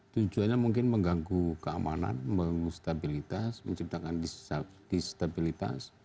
tujuannya mungkin mengganggu keamanan mengganggu stabilitas menciptakan distabilitas